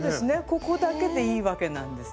ここだけでいいわけなんですね。